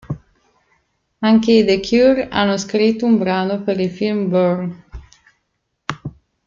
Anche i The Cure hanno scritto un brano per il film, "Burn".